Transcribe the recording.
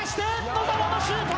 野澤のシュート！